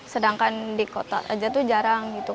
sedangkan di kota saja itu jarang gitu